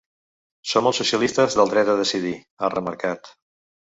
Som els socialistes del dret a decidir, ha remarcat.